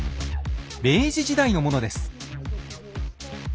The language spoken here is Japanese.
明治時代のものです。